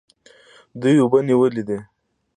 دوی اوبه نیولې دي.